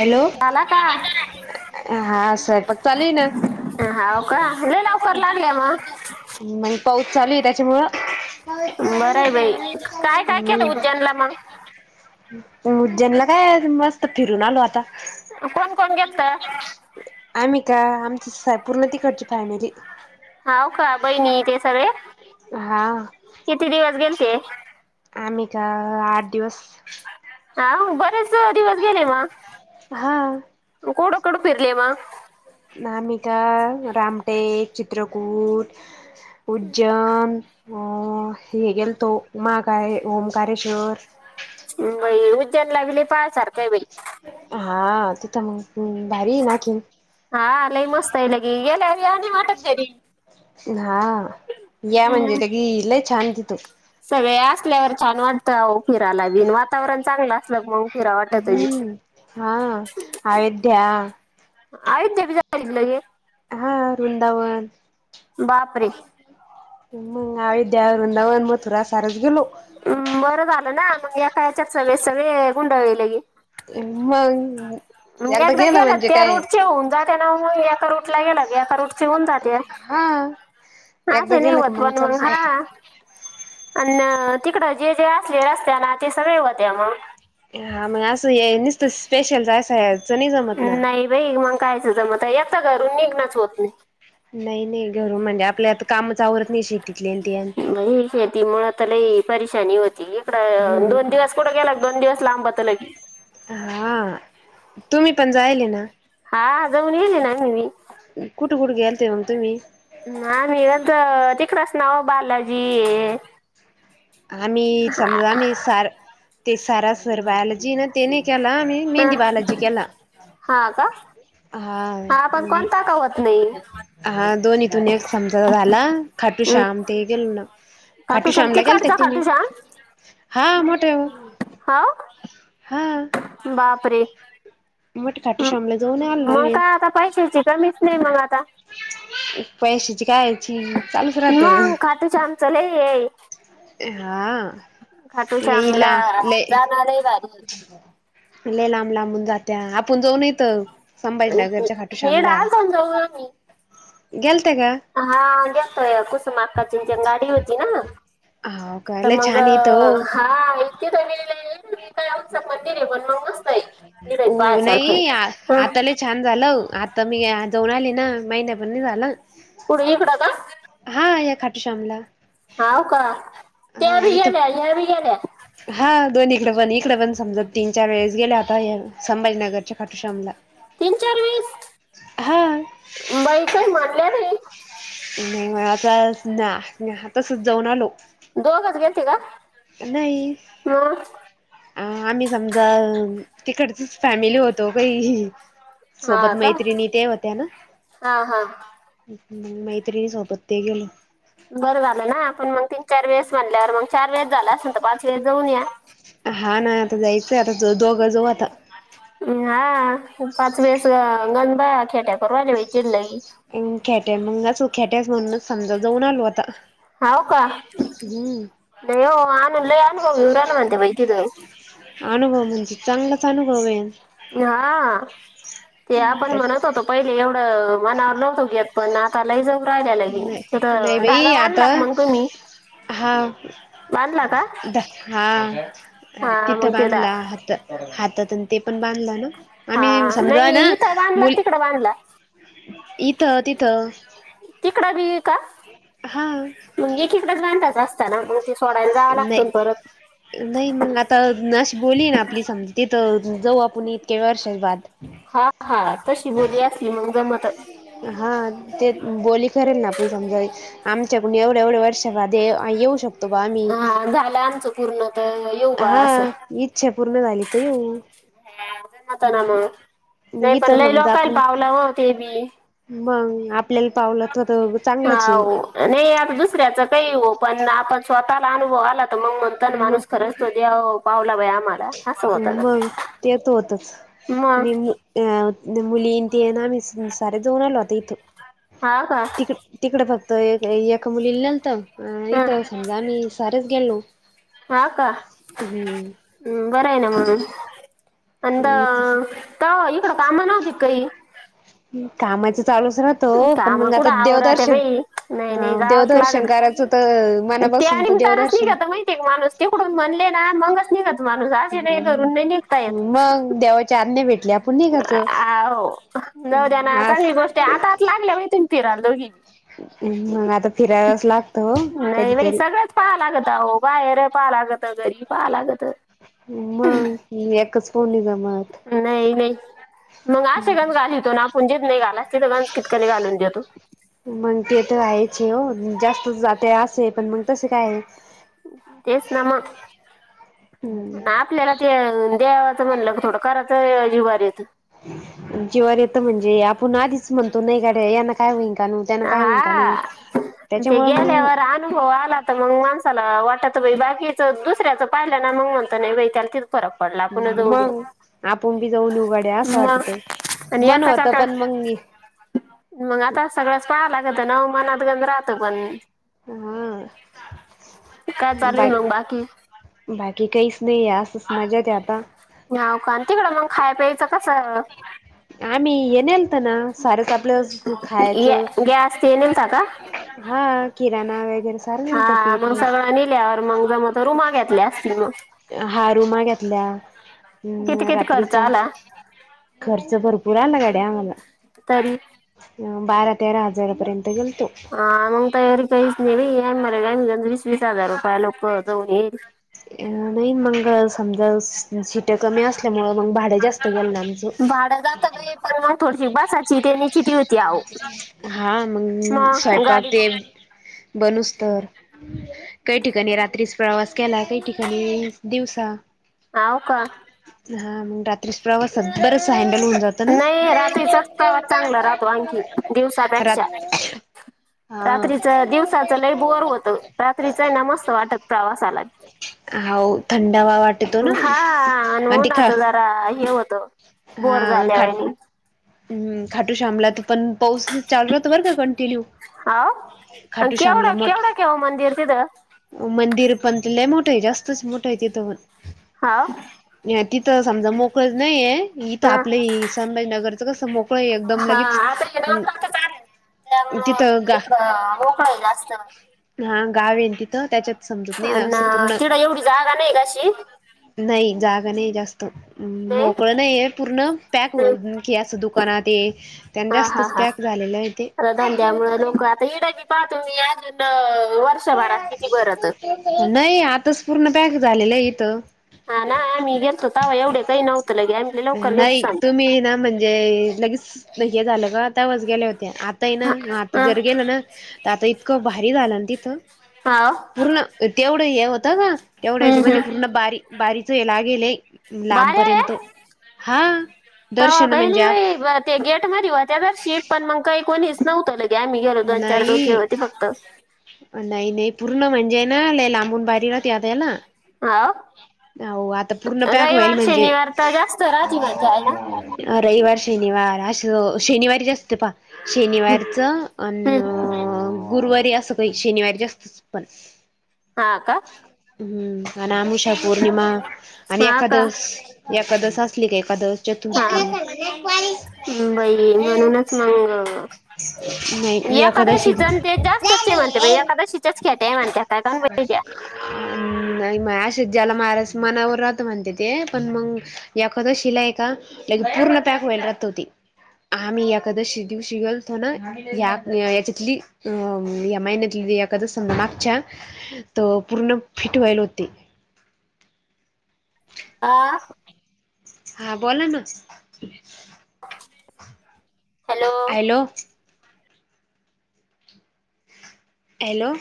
Hello झाला का हा स्वयंपाक चालू आहे ना हाव का ल लवकर लागल्या मग मग पाऊस चालू आहे त्याच्यामुळं [inaudible] बरं आहे बाई काय काय केलं उज्जैनला मग ज्ज्यांला काय मस्त फिरून आलो आता कोण कोण गेलत आम्ही का आमची पूर्ण तिकडची फॅमिली हाव का बहिणी ते सगळे हा किती दिवस गेलते. आम्ही का आठ दिवस हा बरेच दिवस गेले म हा कुठ कुठ फिरले मग नामिका, रामटेक, चित्रकूट, उज्जैन अ हे गेल तो महाकाय, ओंकारेश्वर बाई उज्जैन ला बी लई पाय सारखय बाई हा तिथ मग भारी आहे ना की हा लई मस्त आहे लगी गेल्यावर या नाही वाटत घरी हा या म्हणजे त गी लय छान तिथ असल्यावर छान वाटतं फिरायला बिन वातावरण चांगलं असलं मग फिरा वाटत बी हम्म हा आयोध्या अयोध्या बी [unintelligible] हा वृंदावन बापरे! मंग अयोध्या, वृंदावन, मथुरा सारचं गेलो. अं बरं झालं ना मंग एका याच्यात सगळे सगळे गुंडळलेे. मंग मंग एकदा गेलं त्या रूटचे होऊन जात्या ना मंग एका रूट ला गेलां एका रूट चेहोवून जाते हा एकदा अशे नाय गेलं का व्हतं मग पण मंग चालूच हा राहत अन तिकड जे जे असले रस्त्या ना ते सगळे होत्या म हा मग असं नुसतं स्पेशल जायसा हेज नाही बाई मग कायचं जमत एक तर घरून निघणच होत नाही नाही नाही घर म्हणजे आपल्या आता काम आवरत नाही शिक बई शेती मुळ त्याला परेशानी होती हम्म दोन दिवस कुठं गेला दोन दिवस लांबत होतं लय हा तुम्ही पण जायल ना हा अ जाऊन येली नी कुठे कुठे गेयल ते म्हग तुम्ही ना इरत तिकर नाव बालाजी आम्ही समजा आम्ही सार ते सार सर बाया लां जी ना तेने केला मी मेहंदी हा बालाजी केला. हा का हा पण कोणता का होत नाही हा दोन इथून एक समजा झाला खट टू श्याम ते केल नं. खटुश्याम त काडचा खाटूशाम. हां मोठे हा, हा बाप रे! मोठे खाटू ह श्यामला जाऊन आलो ना मंग आम्ही काय आता पैशाची कमीच नाय मंग आता. पैशाची कायची चालूच राहत. मग खाटूश्यामचं लय ये हा लय खाटूश्यामला ला लय जाणार लय भारी लय लांब लांबून जात्या आपण जाऊ नायत. संभाजीनगरच्या खाटू हे श्यामला डाल जाऊन जाऊ आम्ही गेलते का हा जास्त कुसुम अक्काचींनं त्यांनं गाडी होती न हो का तर लय मग छान येत हो हा इतकी दमिले आहे इकडे हो पायासारखं नई आहे हं. आता लय छान झालं आता मी आज जाऊन आले ना महिनापण नाय झाला. कुढ इकडं का? हा या खाटूश्यामला हाव का तेव्हा बी गेल्या ह्या बी गेल्या. हा दोन्हीकड पण इकडे पण समजा तीन चार वेळेस गेले आता संभाजीनगरच्या खाटुशामला. तीन चार वेळेस बाई काई मानल्या बाई नाही म आता ना ना तसच जाऊन आलो. [inaudible] नाही मग आ आम्ही समजा तिकडचीच फॅमिली होतो काही हा सोबत का मैत्रीणी ते होत्या ना हा हा मंग मैत्रिणी सोबत ते गेलो. बरं झालं ना आपण मग तीन चार वेळेस म्हनल्यावर मग चार वेळेस झालं असेल तर पाच वेळेस जाऊन या. हा ना आता जायचं आता दो दोघ जाऊ आता हा पाच वेळस गंद बाया खेट्या करू राहिल्या बाई तिड लय खेट्या मग असू खेट्यास म्हणूनच समजा जाऊन आलो आता. हाव का. हम्म नाय हो अन लय अनुभव येऊ राहिला म्हणते बाय तीथ अनुभव म्हणजे चांगलाच अनुभव आहे. हा ते आपण म्हणत त्यात होतो पहिले एवढ. मनावर नव्हतो घेत पण आता लय जाऊ. तिथ नाही नाही बाई धागा आता बधला मग तुम्ही हा. बांधला का ध हा हा तिथं मग ते दा बांधला हात हात. ते पण बांधलं ना आम्ही हा समजा नाही ना इथं बांधला मुली तिकडं बांधला इथं तिथं. तिकड बी का हा मग एकीकडेच बांधायच असता ना मग ते सोडायला जावं लागतं परत नाय नाही मग आता अशी बोली हे ना आपली समजा तिथ जाऊ आपण इतके वर्षे बाद हा हा तशी बोली असली मग जमल हा ते बोली करेल ना आपण समजा आमच्याकडून एवढे एवढ्या वर्ष [unintelligible] येऊ शकतो बा आम्ही हा झालं आमचं पूर्ण तर येऊ बा हा असं इच्छा पूर्ण झाली त येऊ. ह ना मग नाही इथ पण लई समजा लोकला आपण पावला व ते बी मग आपल्याला पावलं तर चांगलंच हाव आहे नाही आता दुसऱ्याच काही पण आपण स्वतःला अनुभव आला तर मग म्हणता ना मग माणूस खरंच तो देव पावला बाई आम्हा आसं होतना. मग ते तो होतच नि अ मुली ते न आम्ही सार्या जाऊन आलो आता इथ. हा का तिक तिकडे फक्त एका मुलीला नेलत. अ हं, इथं समजा आम्ही सारेच गेलो. हा का बरं आहे ना मग अंन द हम्म त इकडं कामा नवती काही कामाच चालुच राहत ओ. पण, कामं मग कुठं आता आवरा त्या देवदर्शन बाई नाही नाही हां. जावंच देवदर्शन लागत करायच मना त्या निमतानच निघतं माहिती माणूस तिकडून म्हणले ना मगच निघत माणस. अस नाय धरून नाय निघता येत. मग देवाची आज्ञा भेटली आपण अ निघायचं. आ होव नवर्‍याना अस चांगली गोष्ट आहे आता आत लागल्या बाई तूम्ही फिराल दोघी. हम्. आता फिरायलाच लागत हो नाही बाई. कधीतरी सगळंच पाहा लागत बाहेर - - पा लागत. घरी पाहा लागत. मगं एका स्पोन द नाही. नाही. मग अशे गंस घालितो ना आपणजीत नाही घाला मग आशे [unintelligible] घालितो ना आपण तिथंज घालाचे कितकली घालून देतो. मग ते तर राहायचे हो जास्त जाते असे पण मग तसे काय आहे. तेसनामा ना हम्म आपलेला ते [inaudible] देवाच म्हणलं थोडं करायच जीवारी येती. जीववर येत म्हणजे आपण आधीच म्हणतो नाही का. यांना काय होईं काणू. त्यांना काय होईं काणू. म्हणजे गेल्यावर अनुभव आला तर मग माणसाला वाट बाकीचं दुसऱ्याचं पाहिलं ना मग म्हणत नाही बा त्याचीच फरक पडला आपनच जाऊन येवु. मग आपण बी जाऊन येऊ गड्या असं मग वाटत. आणि मन एका होत चाका पण मग मग आता सगळ्याच पहा लागतना हो. मनात गण राहत पण हा काय चालु आहे म बाकी. की काहीच नाहीये असच मजेत आहे आता. नाव का तिकड मग खाय प्यायचं कसं आम्ही ये नेलथ ना सारच आपलं खायच. गॅ- गॅस ते नेलता का हा किराणा वगैरे सारं नेलत हा पीठ मग बीठ सगळं नेल्यावर मग जम तर रुमा घेतल्या असतील मग. हा रूमा किती किती खर्च रात्रीच्या, आला खर्च भरपूर आला गाड्या आम्हाला. तरी बारा, तेरा हजारपर्यंत हा मग तयारी काहीच नाही मर वीस -वीस हजार रुपये लोक [unintelligible] अ नाही मंगळ समजा शिट कमी असल्यामुळ मग भाडे जास्त गेल ना आमचं. भाडं जात बाई पण मग थोडीशी [unintelligible] हा मग स्वयंपाक ते बनूस तर काही ठिकाणी रात्रीस प्रवास केला काही ठिकाणी दिवसा हाव का हा मग रात्री प्रवासात बरचस आहे ना. नाही रात्रीचाच प्रवास चांगला राहतो आणंखी दिवसापेक्षा. रात हा रात्रीच दिवसाचं लैय बोर होत. रात्रीचं आहे ना मस्त वाटत प्रवासाला. [inaudible] हो थंडवा वाटतो ना? आणि ते खा नात जरा हे होत बोर हा झाल्या खाट वाणी. हम्म खाटू शमलात पण पाऊस चालू राहतो बरं का कंटिन्यू हाव आणि खाटू श्यामला केवढं मठ केवढं केव मंदिर तिथं मंदिर पण लय मोठं हाय जास्तच मोठा आहे तिथं पण. हाव तिथं समजा मोकळच नाहीे इथं हा आपले संभाजीनगर हा [unintelligible] त्यामुळं तिथं गा इकड मोकळा जास्त. हा गाव तिथ त्याच्यात समजत नाही ना असं जुन आणि तिथं एवढी जागा नाही का अशी नाही जा जास्त नाही मोकळ नाही पूर्ण पॅक हम्म. की अस दुकानात त्यांना हा हा जास्तच हा पॅक झालेलं आहे ते. तुम्ही अजून वर्ष नाही आताच पूर्ण पॅक झालेलं आहे इथं. हा ना? आम्ही गेलो तव एवढे काही नव्हत नाही तुम्ही ना म्हणजे लगेच हे झालं का तवाच गेल्या होत्या आता ना ग आता हा जर गेलं ना तर आता इतकं भारी झालं त हा पूर्ण तेवढं हे होत ना तेवढ्याच्या म पूर्ण ब बारी ला गेले लांबपर्यंत हा त दर्शन काही म्हणजे आप नाही ते गेट म हो त्या तर शीट पण मग काही कोणीच नव्हतं ल गे आम्ही गेलो दोन चार डोकी नाही होती फक्त. नाही नाही पूर्ण म्हणजे ना ल लांबून बारीलाात याद्याला हा हो आता पूर्ण पॅक होईल रविवार म्हणजे शनिवार तर जास्त राहते म्हणते आहे ना रविवार, शनिवार असं शनिवारी जा असत पहा शनिवारचं पण हम्म. गुरुवारी असं काही शनिवारी जास्त पण, हा का. अमुषा, पौर्णिमा आणि हा का एखादस एखादस असली का एखकादस चतु हा बाई म्हणूनच नाही एकादशी एखादशीचण ते जास्तचचे म्हनते झाले एखादाशीचच ख्या माणत काय काण बहि द्या अ नाही म अशा ज्याला महारा मनावर राहत म्हणते ते पण मग ते एकादशी य काे पूर्ण पॅक वेलत होती. आम्ही एकादशी दिवशी गेलतो ना या याच्यातली अ या महिन्यातली एकादस मागच्या तर पूर्ण फिट व्हायल होते. आह? हा बोला ना हॅलो हॅलो